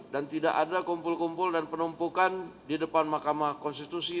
dan tidak ada kumpul kumpul dan penumpukan di depan mahkamah konstitusi